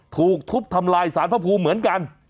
ถูกทูบทำลายศาลภูมิเหมือนกัน